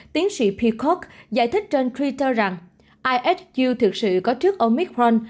tiến sĩ peacock giải thích trên twitter rằng ihu thực sự có trước omicron